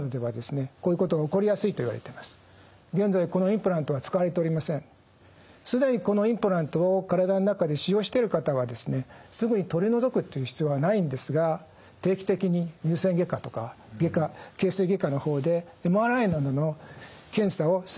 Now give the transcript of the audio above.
インプラントの既にこのインプラントを体の中で使用してる方はですねすぐに取り除くっていう必要はないんですが定期的に乳腺外科とか外科形成外科の方でＭＲＩなどの検査をする必要があります。